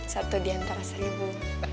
satu di antara seribu